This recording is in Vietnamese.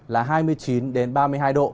là hai mươi chín đến ba mươi hai độ